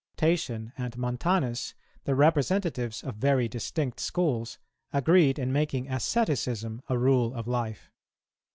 Tatian and Montanus, the representatives of very distinct schools, agreed in making asceticism a rule of life.